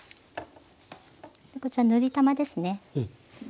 こちら塗りたまですね。